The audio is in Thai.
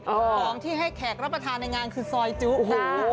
ของที่ให้แขกรับประทานในงานคือซอยจุโอ้โห